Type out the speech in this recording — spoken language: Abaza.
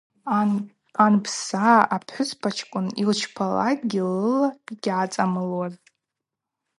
Анпса апхӏвыспачкӏвын йылчпалакӏгьи лыла йгьгӏацӏамылуазтӏ.